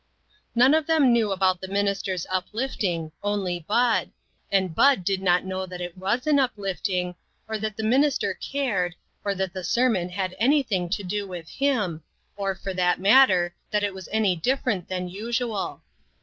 None of them knew about the minister's uplifting, only Bud, and Bud did not know that it was an uplifting, or that the minis ter cared, or that the sermon had anything to do with him, or, for that matter, that it 296 INTERRUPTED. was any different from usual.